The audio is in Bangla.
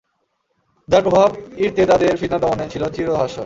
যার প্রভাব ইরতেদাদের ফিতনা দমনে ছিল চির ভাস্বর।